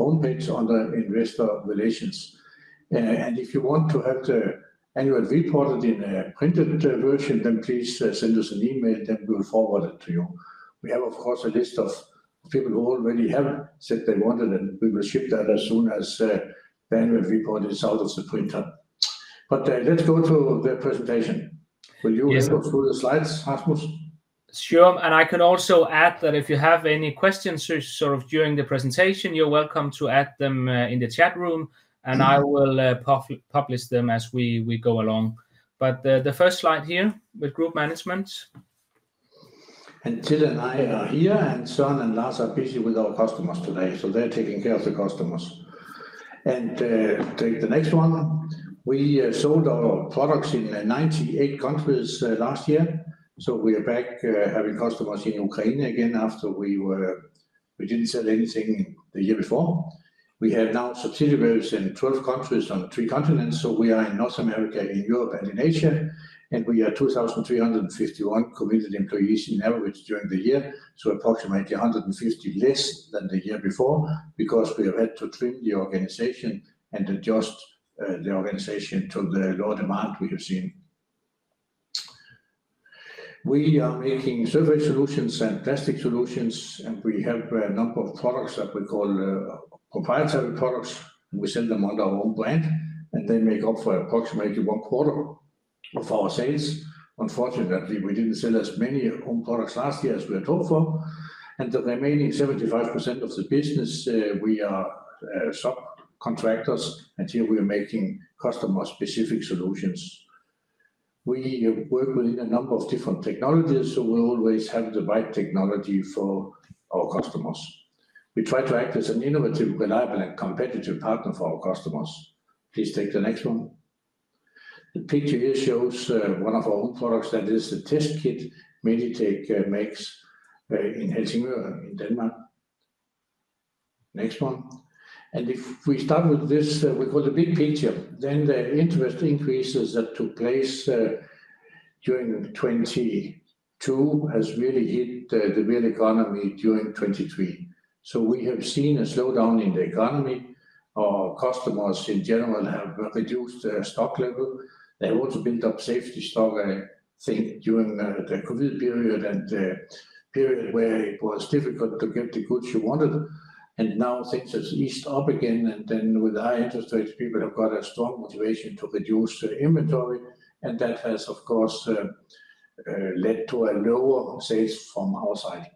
Our homepage under Investor Relations. And if you want to have the annual report in a printed version, then please send us an email, then we will forward it to you. We have, of course, a list of people who already have said they wanted it, and we will ship that as soon as the annual report is out of the printer. But let's go to the presentation. Will you— Yes. Go through the slides, Rasmus? Sure. I can also add that if you have any questions, sort of during the presentation, you're welcome to add them in the chat room, and I will publish them as we go along. The first slide here with Group Management. Tilde and I are here, and Søren and Lars are busy with our customers today, so they're taking care of the customers. Take the next one. We sold our products in 98 countries last year, so we are back having customers in Ukraine again after we were—we didn't sell anything the year before. We have now subsidiaries in 12 countries on three continents, so we are in North America, in Europe, and in Asia, and we are 2,351 committed employees in average during the year, so approximately 150 less than the year before because we have had to trim the organization and adjust the organization to the lower demand we have seen. We are making surface solutions and plastic solutions, and we have a number of products that we call proprietary products. We sell them under our own brand, and they make up for approximately one quarter of our sales. Unfortunately, we didn't sell as many home products last year as we had hoped for, and the remaining 75% of the business, we are subcontractors, and here we are making customer-specific solutions. We work within a number of different technologies, so we always have the right technology for our customers. We try to act as an innovative, reliable, and competitive partner for our customers. Please take the next one. The picture here shows one of our own products that is a test kit Meditec makes in Helsingør in Denmark. Next one. And if we start with this, we call the big picture, then the interest increases that took place during 2022 has really hit the real economy during 2023. So we have seen a slowdown in the economy. Our customers in general have reduced their stock level. They've also built up safety stock, I think, during the COVID period and the period where it was difficult to get the goods you wanted. And now things have eased up again, and then with high interest rates, people have got a strong motivation to reduce their inventory, and that has, of course, led to a lower sales from our side.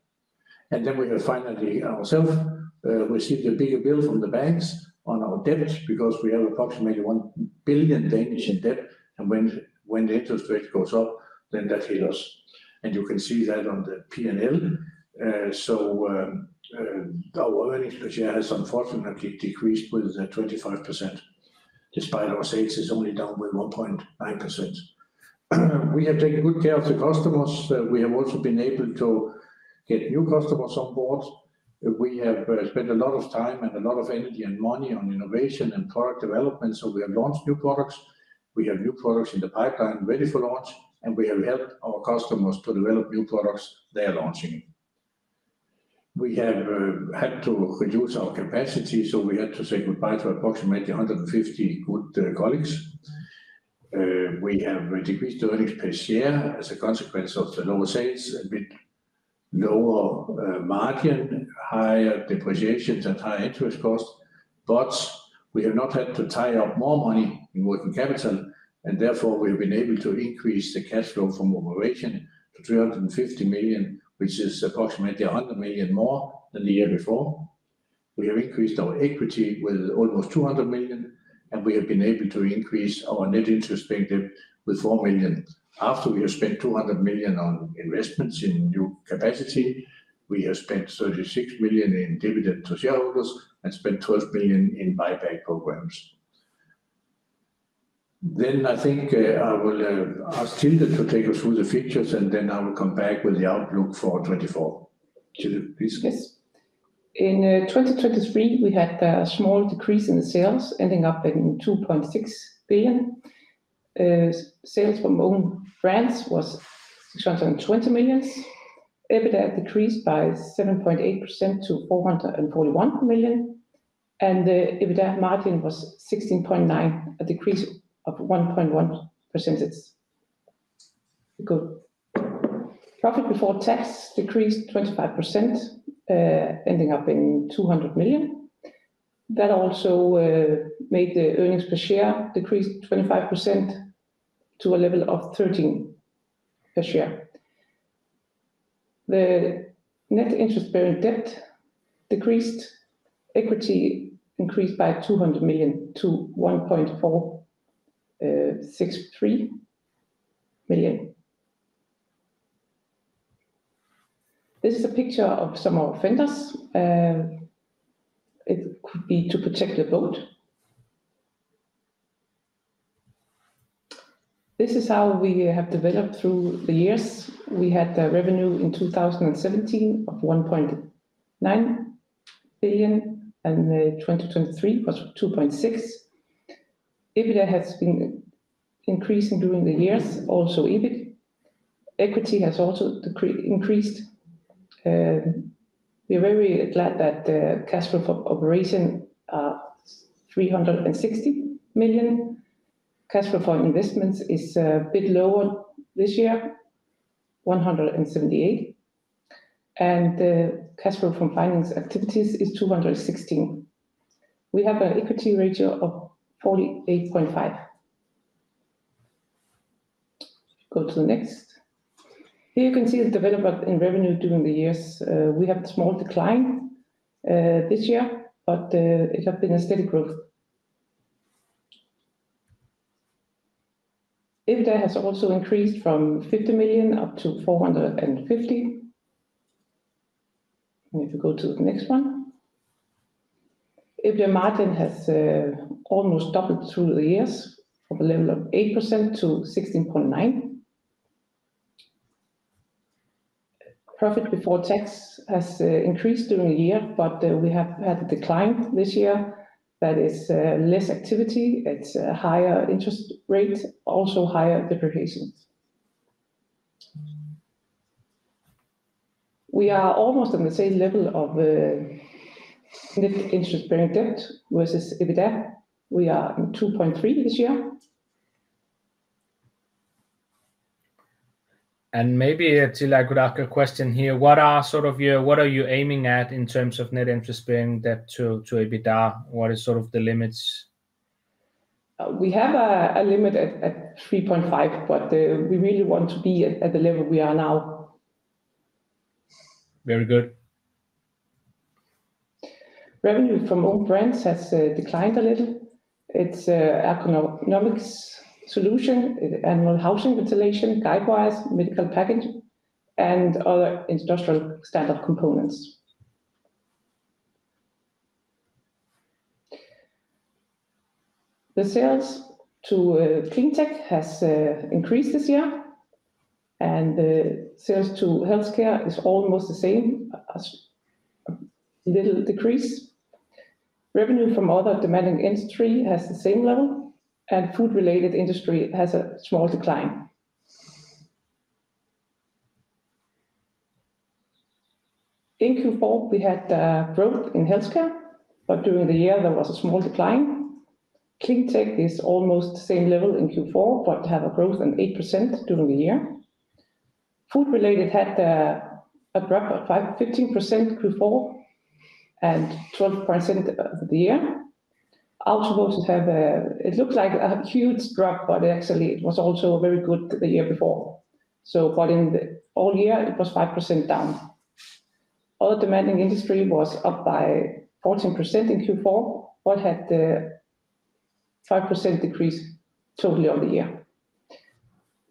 And then we have finally ourselves received a bigger bill from the banks on our debts because we have approximately 1 billion in debt, and when the interest rate goes up, then that hits us. And you can see that on the P&L. So, our earnings per share has, unfortunately, decreased with 25% despite our sales is only down with 1.9%. We have taken good care of the customers. We have also been able to get new customers on board. We have spent a lot of time and a lot of energy and money on innovation and product development, so we have launched new products. We have new products in the pipeline ready for launch, and we have helped our customers to develop new products they are launching. We have had to reduce our capacity, so we had to say goodbye to approximately 150 good colleagues. We have decreased earnings per share as a consequence of the lower sales, a bit lower margin, higher depreciations, and higher interest costs. But we have not had to tie up more money in working capital, and therefore we have been able to increase the cash flow from operation to 350 million, which is approximately 100 million more than the year before. We have increased our equity with almost 200 million, and we have been able to increase our net interest-bearing debt with 4 million. After we have spent 200 million on investments in new capacity, we have spent 36 million in dividend to shareholders and spent 12 million in buyback programs. Then I think, I will, ask Tilde to take us through the features, and then I will come back with the outlook for 2024. Tilde, please. Yes. In 2023, we had a small decrease in the sales, ending up at 2.6 billion. Sales from own brands was 620 million. EBITDA decreased by 7.8% to 441 million, and the EBITDA margin was 16.9%, a decrease of 1.1%. Good. Profit before tax decreased 25%, ending up at 200 million. That also made the earnings per share decrease 25% to a level of 13 per share. The net interest-bearing debt decreased. Equity increased by 200 million to 1.463 billion. This is a picture of some of our fenders. It could be to protect the boat. This is how we have developed through the years. We had revenue in 2017 of 1.9 billion, and 2023 was 2.6 billion. EBITDA has been increasing during the years, also EBIT. Equity has also decreased, increased. We are very glad that cash flow for operation are 360 million. Cash flow for investments is a bit lower this year, 178 million, and cash flow from finance activities is 216 million. We have an equity ratio of 48.5%. Go to the next. Here you can see the development in revenue during the years. We have a small decline this year, but it has been a steady growth. EBITDA has also increased from 50 million up to 450 million. If you go to the next one, EBITDA margin has almost doubled through the years from a level of 8%-16.9%. Profit before tax has increased during the year, but we have had a decline this year. That is less activity. It's a higher interest rate, also higher depreciations. We are almost on the same level of net interest-bearing debt versus EBITDA. We are in 2.3 this year. And maybe, Tilde, I could ask a question here. What are sort of your—what are you aiming at in terms of net interest-bearing debt to, to EBITDA? What is sort of the limits? We have a limit at 3.5, but we really want to be at the level we are now. Very good. Revenue from own brands has declined a little. It's ergonomics solution, animal housing ventilation, guidewires, medical package, and other industrial standard components. The sales to cleantech has increased this year, and the sales to healthcare is almost the same, as a little decrease. Revenue from other demanding industry has the same level, and food-related industry has a small decline. In Q4, we had growth in healthcare, but during the year, there was a small decline. Cleantech is almost the same level in Q4 but have a growth of 8% during the year. Food-related had a drop of 5%-15% Q4 and 12% of the year. Automotive have—it looked like a huge drop, but actually, it was also very good the year before, so but in the all year, it was 5% down. Other demanding industry was up by 14% in Q4 but had 5% decrease totally over the year.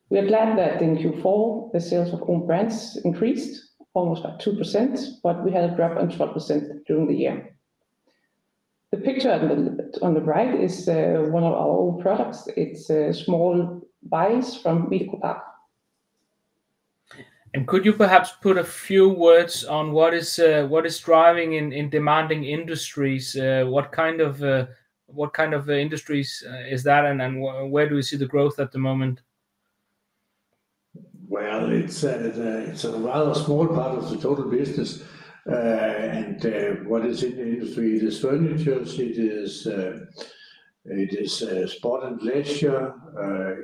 We are glad that in Q4, the sales of own brands increased almost by 2%, but we had a drop of 12% during the year. The picture on the one on the right is one of our own products. It's small vials from MedicoPack. Could you perhaps put a few words on what is driving in demanding industries? What kind of industries is that, and where do we see the growth at the moment? Well, it's a rather small part of the total business. What is in the industry? It is furniture. It is sport and leisure.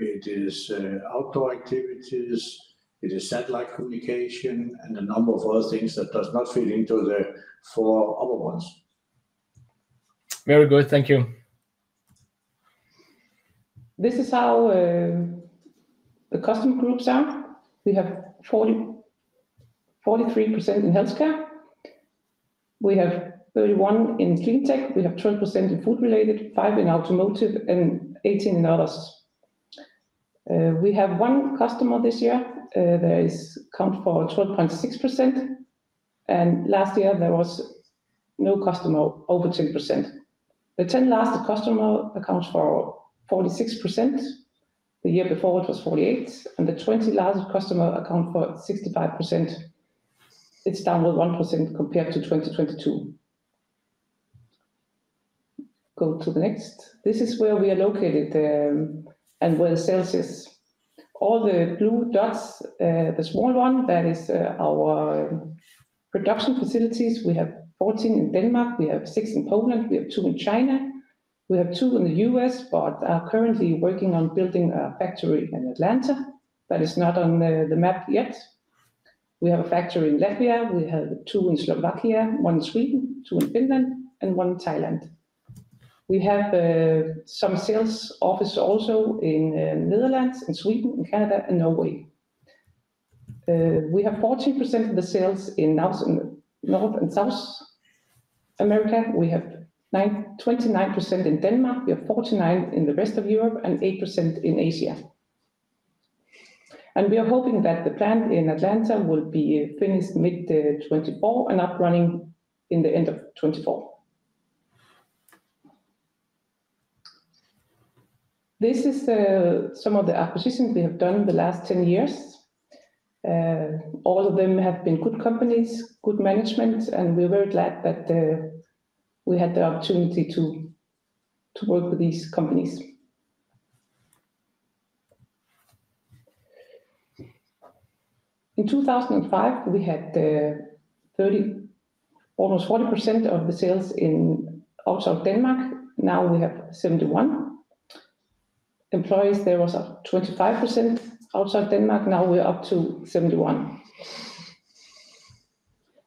It is outdoor activities. It is satellite communication and a number of other things that does not fit into the four other ones. Very good. Thank you. This is how the customer groups are. We have 40%-43% in healthcare. We have 31% in cleantech. We have 12% in food-related, 5% in automotive, and 18% in others. We have one customer this year that accounts for 12.6%, and last year, there was no customer over 10%. The 10 largest customer accounts account for 46%. The year before, it was 48%, and the 20 largest customer accounts account for 65%. It's down with 1% compared to 2022. Go to the next. This is where we are located, and where the sales is. All the blue dots, the small one, that is our production facilities. We have 14 in Denmark. We have six in Poland. We have two in China. We have two in the U.S., but are currently working on building a factory in Atlanta. That is not on the map yet. We have a factory in Latvia. We have two in Slovakia, one in Sweden, two in Finland, and one in Thailand. We have some sales offices also in the Netherlands, in Sweden, in Canada, and Norway. We have 14% of the sales in North and South America. We have 9%-29% in Denmark. We have 49% in the rest of Europe and 8% in Asia. We are hoping that the plant in Atlanta will be finished mid-2024 and up running in the end of 2024. This is some of the acquisitions we have done in the last 10 years. All of them have been good companies, good management, and we are very glad that we had the opportunity to work with these companies. In 2005, we had 30%, almost 40% of the sales outside Denmark. Now we have 71%. Employees, there was a 25% outside Denmark. Now we're up to 71%.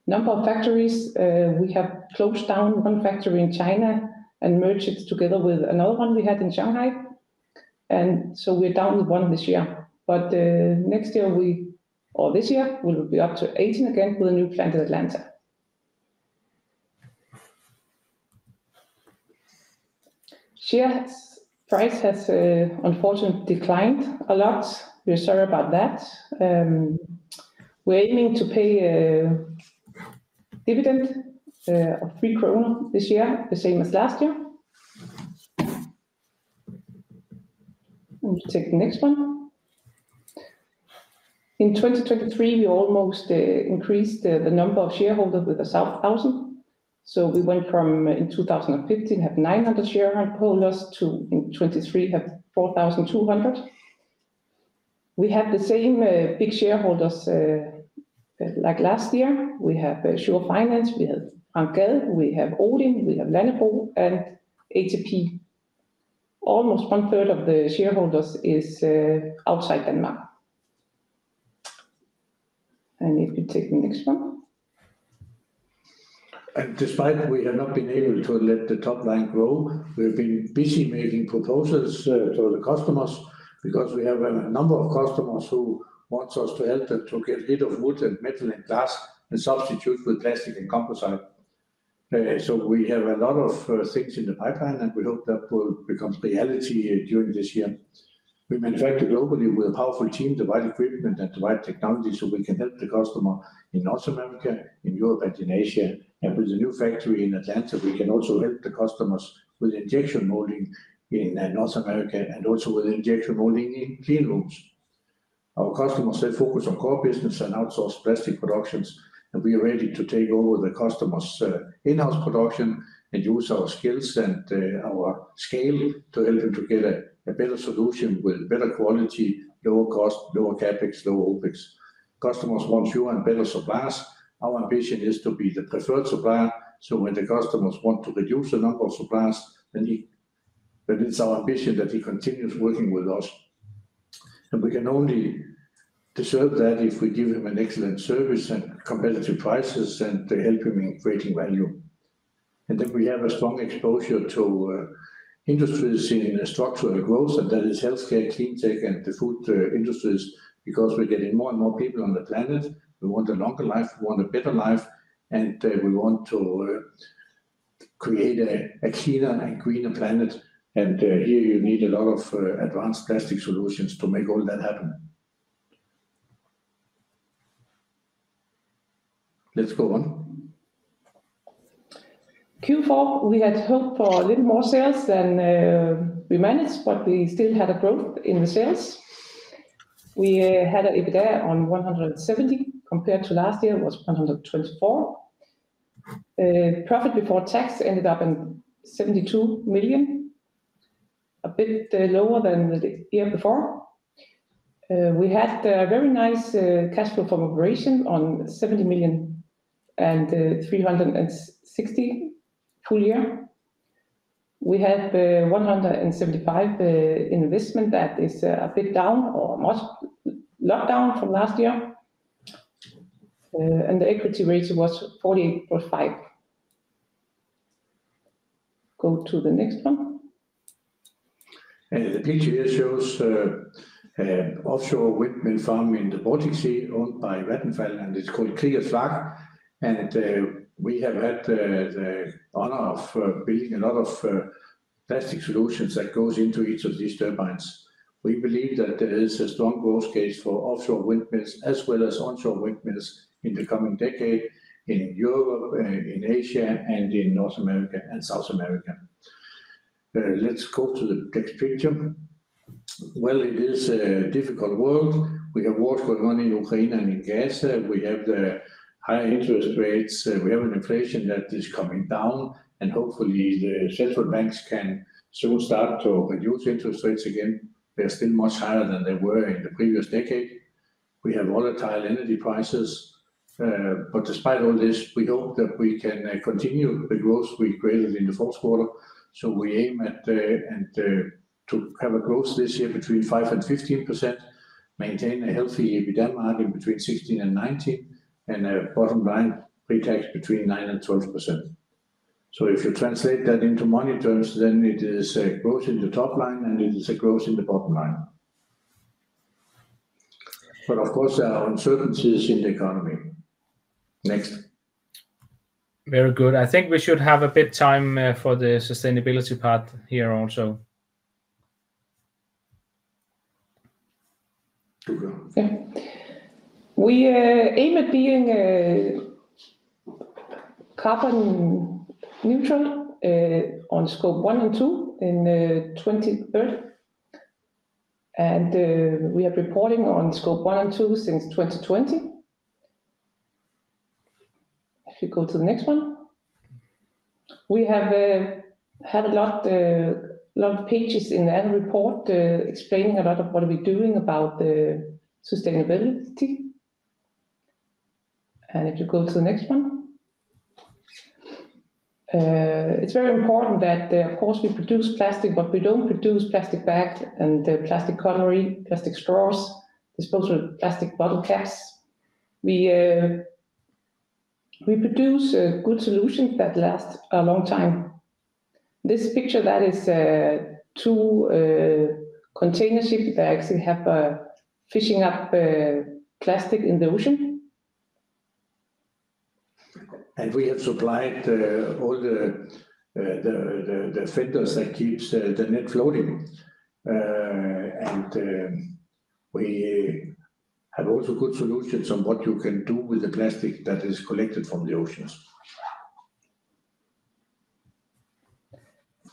Number of factories, we have closed down one factory in China and merged it together with another one we had in Shanghai. And so we're down with one this year, but next year we—or this year—we will be up to 18 again with a new plant in Atlanta. Share price has unfortunately declined a lot. We are sorry about that. We're aiming to pay dividend of 3 kroner this year, the same as last year. I'm going to take the next one. In 2023, we almost increased the number of shareholders with 1,000, so we went from in 2015 have 900 shareholders to in 2023 have 4,200. We have the same big shareholders like last year. We have Schur Finance. We have Frank Gad. We have Odin. We have Lannebo and ATP. Almost 1/3 of the shareholders is outside Denmark. And if you take the next one. Despite we have not been able to let the top line grow, we have been busy making proposals to the customers because we have a number of customers who want us to help them to get rid of wood and metal and glass and substitute with plastic and composite. So we have a lot of things in the pipeline, and we hope that will become reality during this year. We manufacture globally with a powerful team, the right equipment, and the right technology, so we can help the customer in North America, in Europe, and in Asia. And with the new factory in Atlanta, we can also help the customers with injection molding in North America and also with injection molding in clean rooms. Our customers focus on core business and outsource plastic productions, and we are ready to take over the customer's in-house production and use our skills and our scale to help them get a better solution with better quality, lower cost, lower CapEx, lower OpEx. Customers want more and better suppliers. Our ambition is to be the preferred supplier, so when the customers want to reduce the number of suppliers, then it's our ambition that he continues working with us. And we can only deserve that if we give him an excellent service and competitive prices and help him in creating value. And then we have a strong exposure to industries in structural growth, and that is healthcare, cleantech, and the food industries because we're getting more and more people on the planet. We want a longer life. We want a better life, and we want to create a cleaner and greener planet. Here you need a lot of advanced plastic solutions to make all that happen. Let's go on. Q4, we had hoped for a little more sales than we managed, but we still had a growth in the sales. We had an EBITDA of 170 compared to last year. It was 124. Profit before tax ended up at 72 million, a bit lower than the year before. We had very nice cash flow from operations of 70 million and 360 million full year. We had 175 million investment that is a bit down or much locked down from last year. And the equity ratio was 48.5%. Go to the next one. The picture here shows an offshore windmill farm in the Baltic Sea owned by Vattenfall, and it's called Kriegers Flak. We have had the honor of building a lot of plastic solutions that go into each of these turbines. We believe that there is a strong growth case for offshore windmills as well as onshore windmills in the coming decade in Europe, in Asia, and in North America and South America. Let's go to the next picture. Well, it is a difficult world. We have wars going on in Ukraine and in Gaza. We have the high interest rates. We have an inflation that is coming down, and hopefully, the central banks can soon start to reduce interest rates again. They are still much higher than they were in the previous decade. We have volatile energy prices. But despite all this, we hope that we can continue the growth we created in the fourth quarter. So we aim at and to have a growth this year between 5%-15%, maintain a healthy EBITDA margin between 16%-19%, and a bottom line pre-tax between 9%-12%. So if you translate that into money terms, then it is a growth in the top line, and it is a growth in the bottom line. But of course, there are uncertainties in the economy. Next. Very good. I think we should have a bit time, for the sustainability part here also. You go. Yeah. We aim at being carbon neutral on Scope 1 and 2 in 2030. We have reporting on Scope 1 and 2 since 2020. If you go to the next one. We had a lot of pages in the annual report explaining a lot of what we're doing about the sustainability. If you go to the next one. It's very important that, of course, we produce plastic, but we don't produce plastic bags and plastic cutlery, plastic straws, disposable plastic bottle caps. We produce good solutions that last a long time. This picture that is two container ships that actually have fishing up plastic in the ocean. We have supplied all the fenders that keeps the net floating. We have also good solutions on what you can do with the plastic that is collected from the oceans.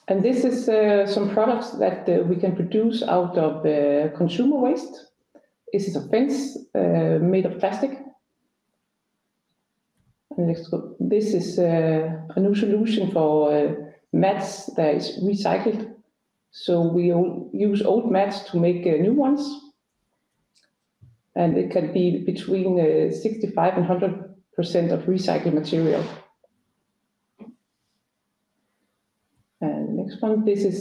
This is some products that we can produce out of consumer waste. This is a fence made of plastic. Let's go. This is a new solution for mats that is recycled. So we all use old mats to make new ones, and it can be between 65% and 100% of recycled material. The next one. This is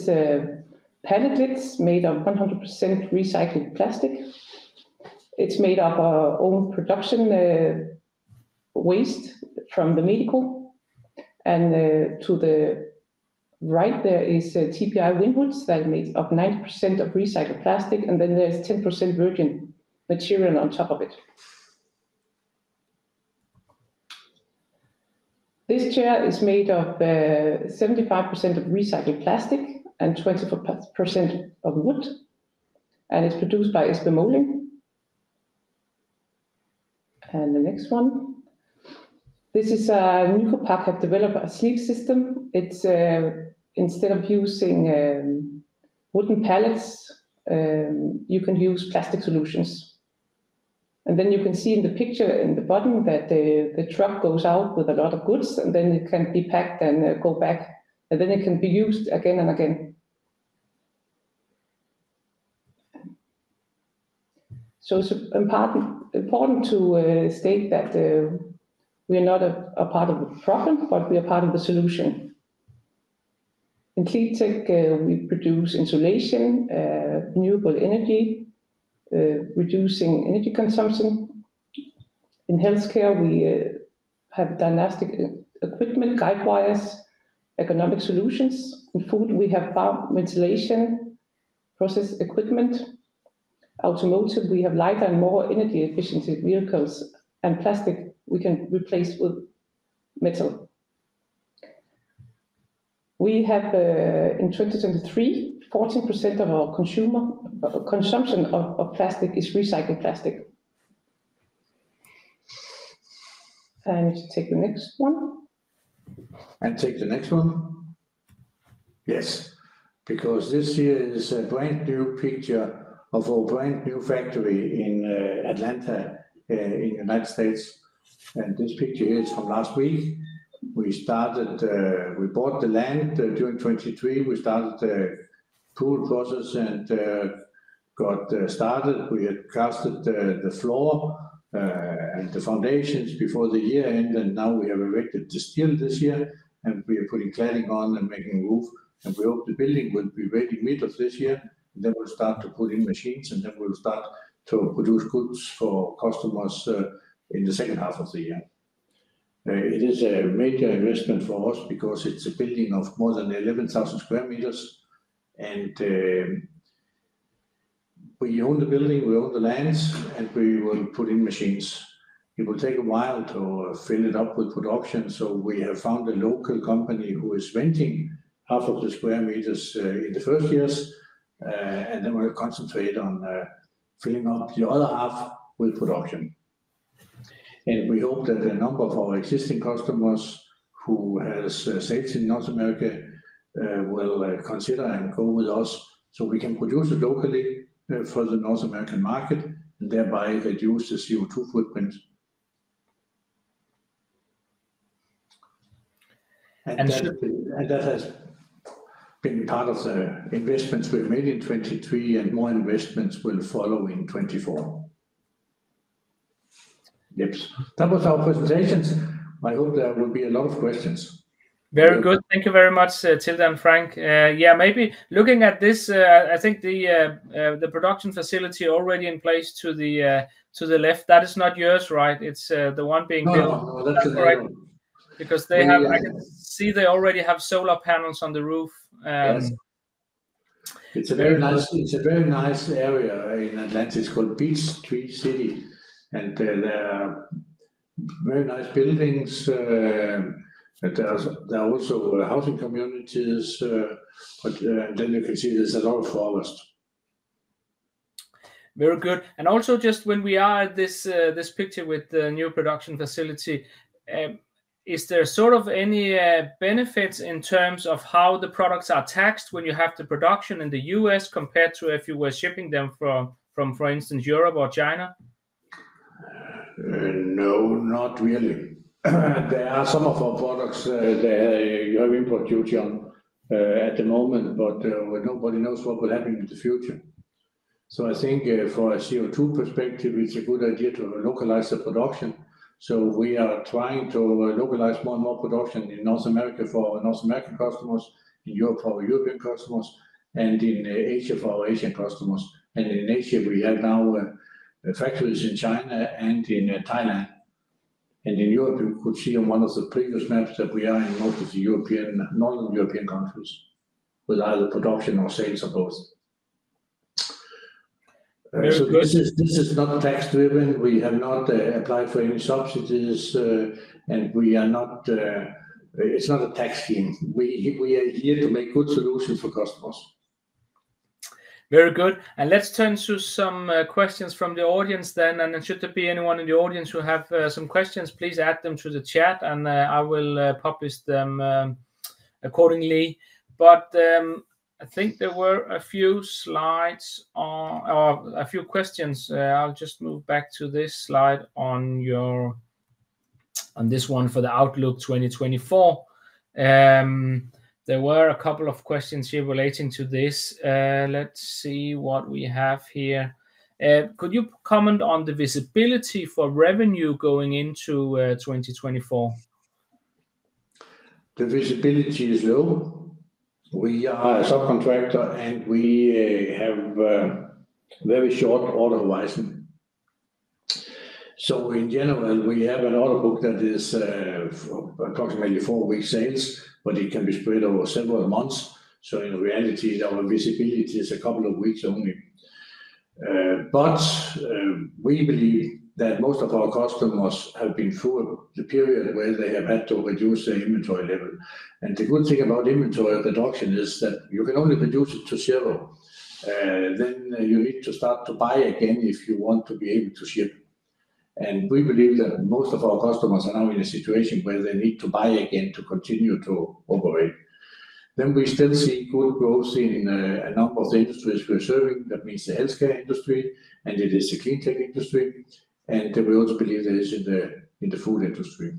pallet lids made of 100% recycled plastic. It's made of our own production waste from the MedicoPack. To the right, there is TPI Polytechniek that are made of 90% of recycled plastic, and then there's 10% virgin material on top of it. This chair is made of 75% of recycled plastic and 24% of wood, and it's produced by SP Moulding. The next one. This is Nycopac have developed a sleeve system. It's instead of using wooden pallets, you can use plastic solutions. And then you can see in the picture in the bottom that the truck goes out with a lot of goods, and then it can be packed and go back, and then it can be used again and again. So it's important to state that we are not a part of a problem, but we are part of a solution. In cleantech, we produce insulation, renewable energy, reducing energy consumption. In healthcare, we have diagnostic equipment, guidewires, ergonomic solutions. In food, we have farm ventilation process equipment. Automotive, we have lighter and more energy-efficient vehicles, and plastic we can replace with metal. We have in 2023, 14% of our consumer consumption of plastic is recycled plastic. And if you take the next one. And take the next one. Yes. Because this here is a brand new picture of our brand new factory in Atlanta, in the United States. And this picture here is from last week. We started, we bought the land during 2023. We started pull process and got started. We had casted the floor and the foundations before the year ended, and now we have erected the steel this year, and we are putting cladding on and making roof. And we hope the building will be ready in the middle of this year, and then we'll start to put in machines, and then we'll start to produce goods for customers in the second half of the year. It is a major investment for us because it's a building of more than 11,000 square meters, and we own the building. We own the lands, and we will put in machines. It will take a while to fill it up with production, so we have found a local company who is renting half of the square meters, in the first years, and then we'll concentrate on filling up the other half with production. We hope that a number of our existing customers who have sales in North America will consider and go with us so we can produce it locally, for the North American market and thereby reduce the CO2 footprint. That has been part of the investments we made in 2023, and more investments will follow in 2024. Yep. That was our presentations. I hope there will be a lot of questions. Very good. Thank you very much, Tilde and Frank. Yeah, maybe looking at this, I think the production facility already in place to the left, that is not yours, right? It's the one being built. No, no, no. That's the other one. Because they have, I can see, they already have solar panels on the roof. Yes. It's a very nice area in Atlanta. It's called Peachtree City, and there are very nice buildings, and there are also housing communities, but and then you can see there's a lot of forest. Very good. And also just when we are at this picture with the new production facility, is there sort of any benefits in terms of how the products are taxed when you have the production in the U.S. compared to if you were shipping them from, for instance, Europe or China? No, not really. There are some of our products, that, you have import duty on, at the moment, but, nobody knows what will happen in the future. So I think, from a CO2 perspective, it's a good idea to localize the production. So we are trying to localize more and more production in North America for North American customers, in Europe for European customers, and in Asia for our Asian customers. And in Asia, we have now, factories in China and in Thailand. And in Europe, you could see on one of the previous maps that we are in most of the European northern European countries with either production or sales or both. So this is this is not tax-driven. We have not, applied for any subsidies, and we are not, it's not a tax scheme. We, we are here to make good solutions for customers. Very good. Let's turn to some questions from the audience then. There shouldn't be anyone in the audience who have some questions. Please add them to the chat, and I will publish them accordingly. I think there were a few slides on or a few questions. I'll just move back to this slide on your on this one for the Outlook 2024. There were a couple of questions here relating to this. Let's see what we have here. Could you comment on the visibility for revenue going into 2024? The visibility is low. We are a subcontractor, and we have very short order horizon. So in general, we have an order book that is approximately four-week sales, but it can be spread over several months. So in reality, our visibility is a couple of weeks only. But we believe that most of our customers have been through a period where they have had to reduce their inventory level. And the good thing about inventory reduction is that you can only reduce it to zero. Then you need to start to buy again if you want to be able to ship. And we believe that most of our customers are now in a situation where they need to buy again to continue to operate. Then we still see good growth in a number of the industries we're serving. That means the healthcare industry, and it is the cleantech industry. We also believe there is in the food industry.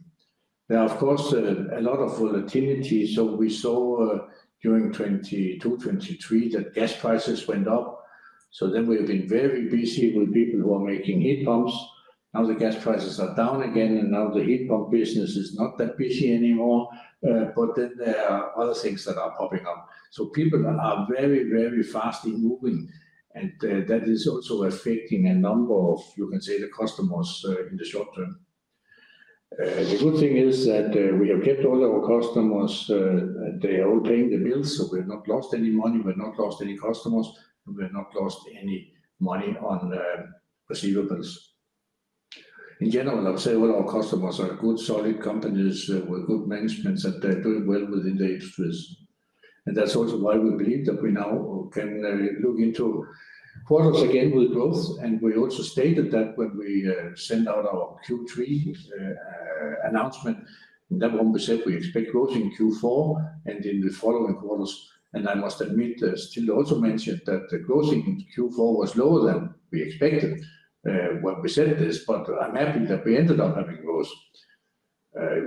There are, of course, a lot of volatility. So we saw, during 2022, 2023 that gas prices went up. So then we have been very busy with people who are making heat pumps. Now the gas prices are down again, and now the heat pump business is not that busy anymore. But then there are other things that are popping up. So people are very, very fast in moving, and that is also affecting a number of, you can say, the customers, in the short term. The good thing is that we have kept all our customers, and they are all paying the bills. So we have not lost any money. We have not lost any customers, and we have not lost any money on receivables. In general, I would say all our customers are good, solid companies with good management that they're doing well within the industries. That's also why we believe that we now can look into quarters again with growth. We also stated that when we sent out our Q3 announcement, that when we said we expect growth in Q4 and in the following quarters, and I must admit, Tilde also mentioned that the growth in Q4 was lower than we expected when we said this. But I'm happy that we ended up having growth.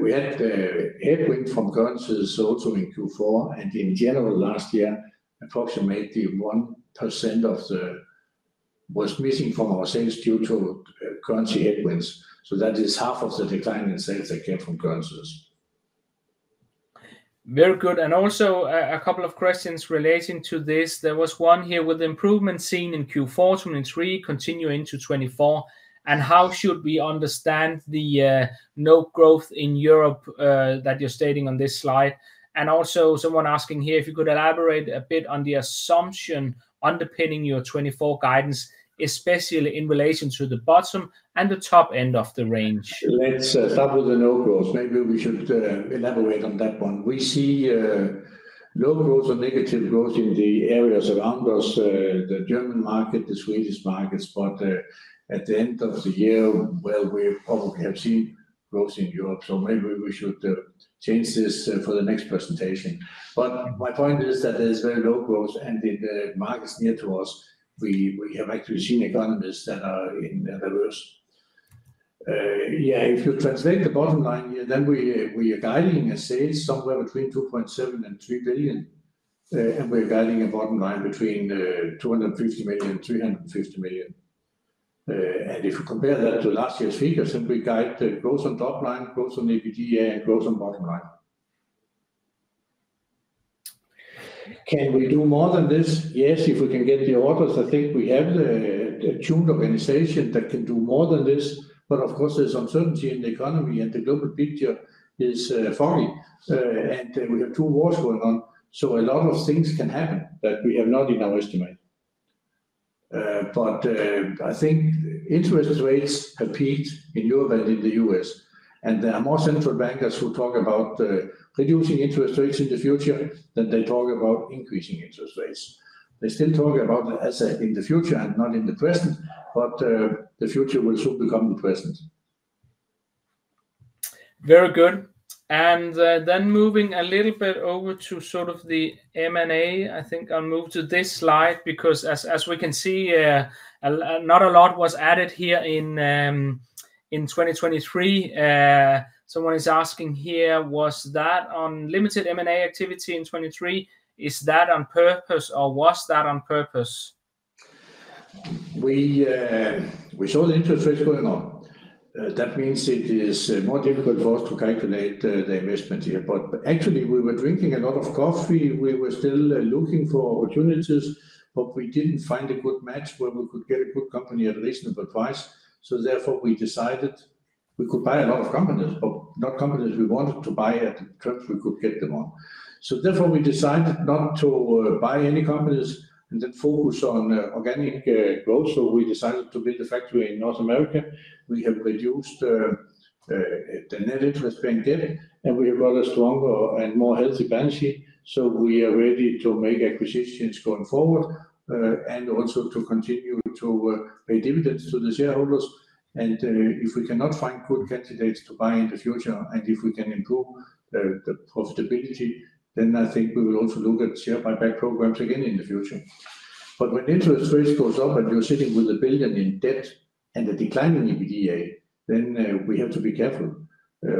We had headwind from currencies also in Q4. In general, last year, approximately 1% of the was missing from our sales due to currency headwinds. So that is half of the decline in sales that came from currencies. Very good. And also, a couple of questions relating to this. There was one here with improvements seen in Q4, 2023, continue into 2024. And how should we understand the no growth in Europe that you're stating on this slide? And also someone asking here if you could elaborate a bit on the assumption underpinning your 2024 guidance, especially in relation to the bottom and the top end of the range. Let's start with the no growth. Maybe we should elaborate on that one. We see low growth or negative growth in the areas around us, the German market, the Swedish markets. But at the end of the year, well, we probably have seen growth in Europe. So maybe we should change this for the next presentation. But my point is that there's very low growth, and in the markets near to us, we, we have actually seen economists that are in the reverse. Yeah, if you translate the bottom line here, then we, we are guiding a sales somewhere between 2.7 billion-3 billion, and we are guiding a bottom line between 250 million-350 million. And if you compare that to last year's figures, then we guide the growth on top line, growth on EBITDA, and growth on bottom line. Can we do more than this? Yes. If we can get the orders, I think we have the tuned organization that can do more than this. But of course, there's uncertainty in the economy, and the global picture is foggy, and, we have two wars going on. So a lot of things can happen that we have not in our estimate. But, I think interest rates have peaked in Europe and in the U.S., and there are more central bankers who talk about, reducing interest rates in the future than they talk about increasing interest rates. They still talk about it as a in the future and not in the present, but, the future will soon become the present. Very good. And then moving a little bit over to sort of the M&A, I think I'll move to this slide because, as we can see, not a lot was added here in 2023. Someone is asking here, was that on limited M&A activity in 2023? Is that on purpose, or was that on purpose? We saw the interest rates going up. That means it is more difficult for us to calculate the investment here. But actually, we were drinking a lot of coffee. We were still looking for opportunities, but we didn't find a good match where we could get a good company at a reasonable price. So therefore, we decided we could buy a lot of companies, but not companies we wanted to buy at the terms we could get them on. So therefore, we decided not to buy any companies and then focus on organic growth. So we decided to build a factory in North America. We have reduced the net interest-bearing debt, and we have got a stronger and more healthy balance sheet. So we are ready to make acquisitions going forward, and also to continue to pay dividends to the shareholders. If we cannot find good candidates to buy in the future, and if we can improve the profitability, then I think we will also look at share buyback programs again in the future. But when interest rates goes up and you're sitting with 1 billion in debt and a declining EBITDA, then we have to be careful.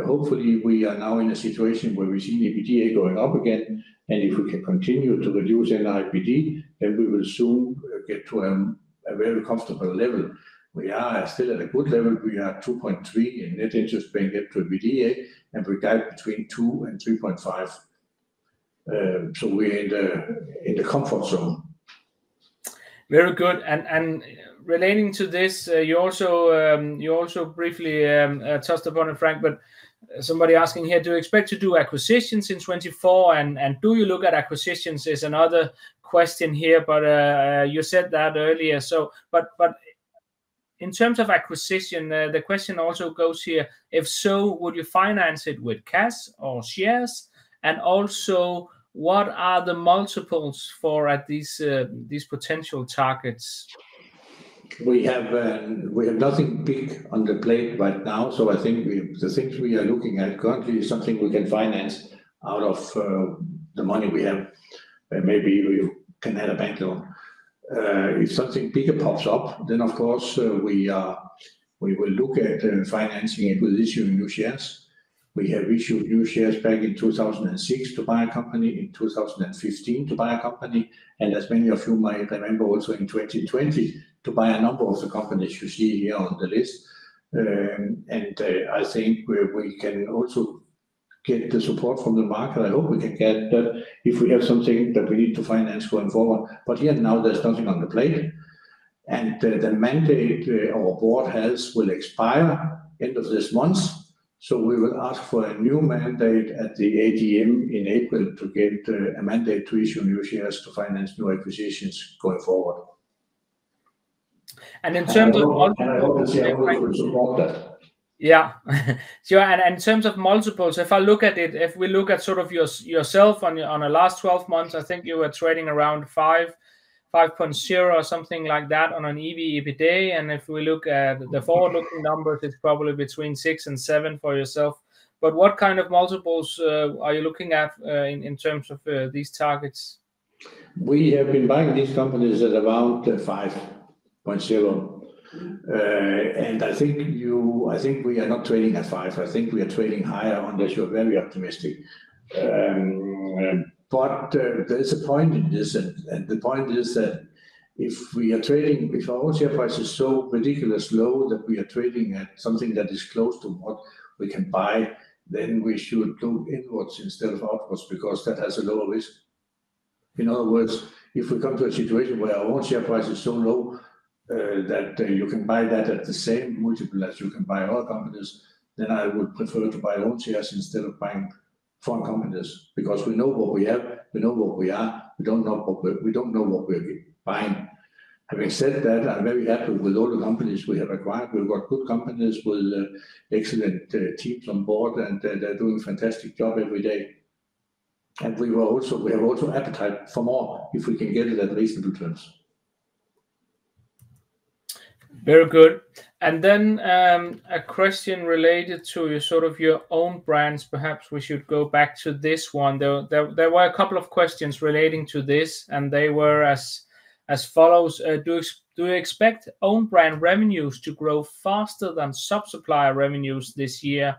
Hopefully, we are now in a situation where we've seen EBITDA going up again. And if we can continue to reduce NIBD, then we will soon get to a very comfortable level. We are still at a good level. We are 2.3 in net interest-bearing debt to EBITDA, and we guide between 2 and 3.5. So we're in the comfort zone. Very good. And relating to this, you also briefly touched upon it, Frank, but somebody asking here, do you expect to do acquisitions in 2024? And do you look at acquisitions is another question here, but you said that earlier. So, but in terms of acquisition, the question also goes here, if so, would you finance it with cash or shares? And also, what are the multiples for at these potential targets? We have nothing big on the plate right now. So I think we have the things we are looking at currently is something we can finance out of the money we have. Maybe we can add a bank loan. If something bigger pops up, then, of course, we will look at financing it with issuing new shares. We have issued new shares back in 2006 to buy a company, in 2015 to buy a company. And as many of you might remember, also in 2020 to buy a number of the companies you see here on the list. And I think we can also get the support from the market. I hope we can get that if we have something that we need to finance going forward. But here and now, there's nothing on the plate. The mandate our board has will expire end of this month. We will ask for a new mandate at the AGM in April to get a mandate to issue new shares to finance new acquisitions going forward. In terms of multiples. I hope the shareholders will support that. Yeah. Sure. And in terms of multiples, if I look at it, if we look at sort of yourself on the last 12 months, I think you were trading around 5.0 or something like that on an EV/EBITDA. And if we look at the forward-looking numbers, it's probably between 6-7 for yourself. But what kind of multiples are you looking at in terms of these targets? We have been buying these companies at around 5.0, and I think I think we are not trading at 5. I think we are trading higher on this. You're very optimistic, but there is a point in this. The point is that if our own share price is so ridiculously low that we are trading at something that is close to what we can buy, then we should look inwards instead of outwards because that has a lower risk. In other words, if we come to a situation where our own share price is so low that you can buy that at the same multiple as you can buy other companies, then I would prefer to buy own shares instead of buying foreign companies because we know what we have. We know what we are. We don't know what we are buying. Having said that, I'm very happy with all the companies we have acquired. We've got good companies with excellent teams on board, and they're doing a fantastic job every day. And we have also appetite for more if we can get it at reasonable terms. Very good. And then, a question related to sort of your own brands. Perhaps we should go back to this one. There were a couple of questions relating to this, and they were as follows. Do you expect own brand revenues to grow faster than subsupplier revenues this year?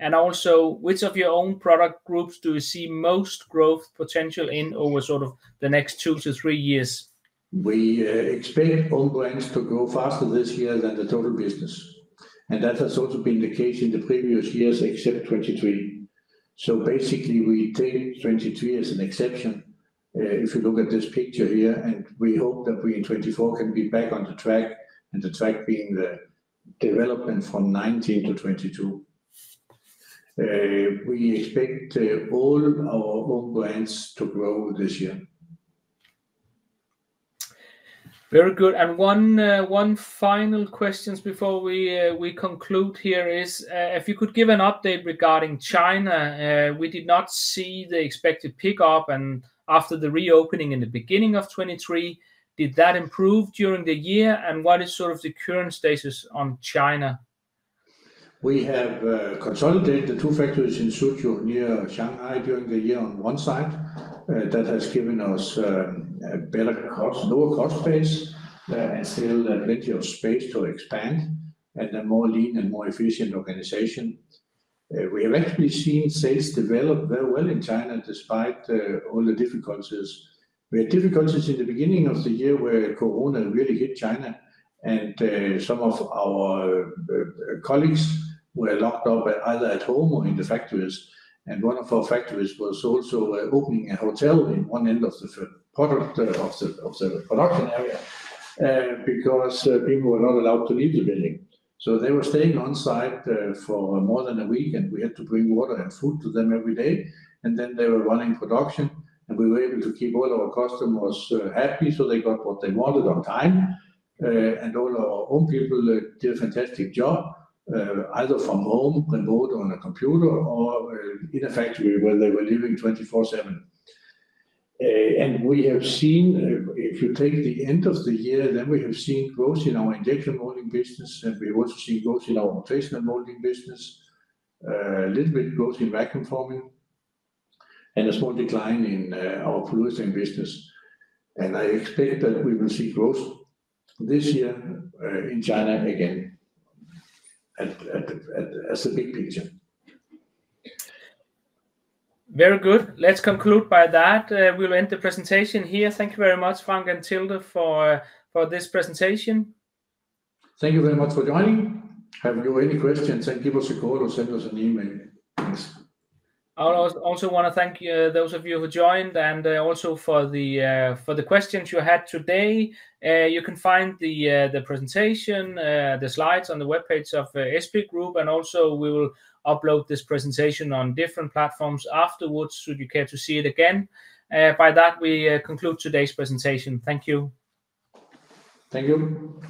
And also, which of your own product groups do you see most growth potential in over sort of the next two to three years? We expect own brands to grow faster this year than the total business. That has also been the case in the previous years, except 2023. Basically, we take 2023 as an exception, if you look at this picture here. We hope that we in 2024 can be back on the track, and the track being the development from 2019 to 2022. We expect all our own brands to grow this year. Very good. And one final question before we conclude here is, if you could give an update regarding China. We did not see the expected pickup. And after the reopening in the beginning of 2023, did that improve during the year? And what is sort of the current status on China? We have consolidated the two factories in Suzhou near Shanghai during the year on one side. That has given us a better cost lower cost space, and still plenty of space to expand and a more lean and more efficient organization. We have actually seen sales develop very well in China despite all the difficulties. We had difficulties in the beginning of the year where Corona really hit China, and some of our colleagues were locked up either at home or in the factories. And one of our factories was also opening a hotel in one end of the production area, because people were not allowed to leave the building. So they were staying onsite for more than a week, and we had to bring water and food to them every day. Then they were running production, and we were able to keep all our customers happy. So they got what they wanted on time. And all our own people did a fantastic job, either from home, remote on a computer, or in a factory where they were living 24/7. And we have seen, if you take the end of the year, then we have seen growth in our injection molding business, and we have also seen growth in our rotational molding business, a little bit growth in vacuum forming, and a small decline in our fluorination business. And I expect that we will see growth this year in China again as a big picture. Very good. Let's conclude by that. We'll end the presentation here. Thank you very much, Frank and Tilde, for this presentation. Thank you very much for joining. Have you any questions? Give us a call or send us an email. Thanks. I also want to thank those of you who joined and also for the questions you had today. You can find the presentation, the slides on the webpage of SP Group. And also, we will upload this presentation on different platforms afterwards should you care to see it again. By that, we conclude today's presentation. Thank you. Thank you.